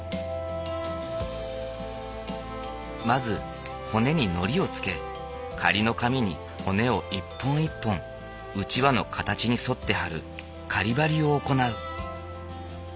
まず骨にのりをつけ仮の紙に骨を一本一本うちわの形に沿ってはる仮ばりを行う。